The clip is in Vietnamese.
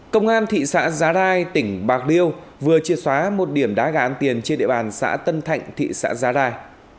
công an thị xã giá đai tỉnh bạc điêu vừa chia xóa một điểm đá gãn tiền trên địa bàn xã tân thạnh thị xã giá đai